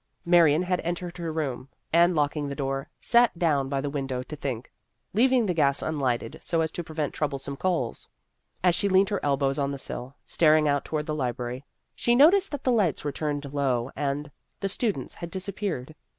Marion had entered her room, and, locking the door, sat down by the window to think, leaving the gas unlighted so as to prevent troublesome calls. As she leaned her elbows on the sill, staring out toward the library, she noticed that the lights were turned low and the students had disappeared.